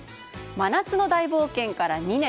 真夏の大冒険から２年。